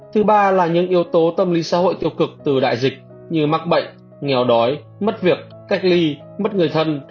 thứ ba là những yếu tố tâm lý xã hội tiêu cực từ đại dịch như mắc bệnh nghèo đói mất việc cách ly mất người thân